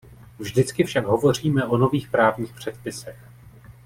Vždycky však hovoříme o nových právních předpisech.